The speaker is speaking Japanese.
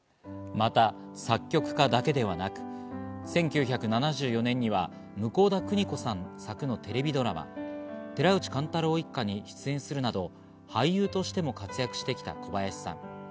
また作曲家だけではなく、１９７４年には向田邦子さん作のテレビドラマ『寺内貫太郎一家』に出演するなど俳優としても活躍してきた小林さん。